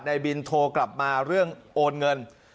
นายบินโทรกลับมาเรื่องโอนเงิน